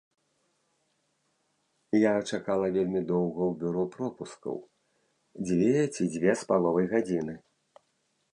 Я чакала вельмі доўга ў бюро пропускаў, дзве ці дзве з паловай гадзіны.